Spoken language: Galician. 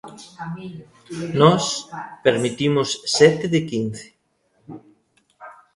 Nós permitimos sete de quince.